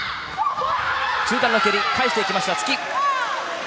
中段の蹴り、返していきました、突き。